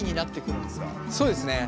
そうですね。